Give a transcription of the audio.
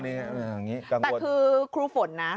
นี่อ่าห่างงี้กังวลแต่คือครูฟลน่ะอือ